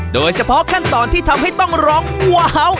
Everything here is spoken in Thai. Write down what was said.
โดยเฉพาะขั้นตอนที่ทำให้ต้องร้องว้าว